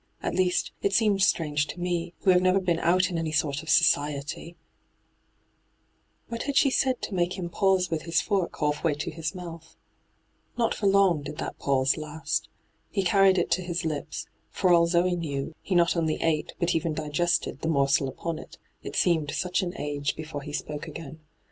At least, it seemed strange to me, who have never been out in any sort of society I' What had she said to make him pause with his fork half way to his mouth ? Not for long did that pause last. He carried it to his lips ; for all Zoe knew, he not only ate, but even digested, the morsel upon it, it seemed such an age before he spoke again.